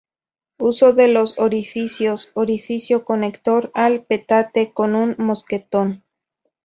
Uso de los orificios: Orificio conector al petate con un mosquetón.